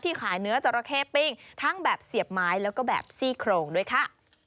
ขายเนื้อจราเข้ปิ้งทั้งแบบเสียบไม้แล้วก็แบบซี่โครงด้วยค่ะ